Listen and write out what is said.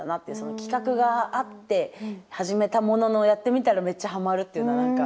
企画があって始めたもののやってみたらめっちゃハマるっていうのは何か。